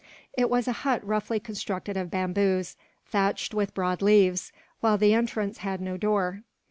It was a hut roughly constructed of bamboos, thatched with broad leaves, while the entrance had no door.